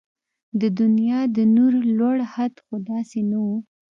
د دنيا د نور لوړ حد خو داسې نه و